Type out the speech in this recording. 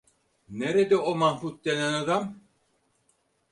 Nerede o Mahmut denen adam?